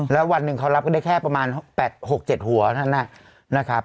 แล้ววันหนึ่งเขารับกันได้แค่ประมาณ๘๖๗หัวนั่นนะครับ